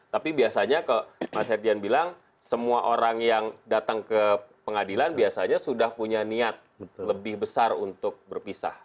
tapi biasanya kalau mas herdian bilang semua orang yang datang ke pengadilan biasanya sudah punya niat lebih besar untuk berpisah